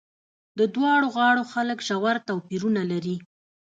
د دواړو غاړو خلک ژور توپیرونه لري.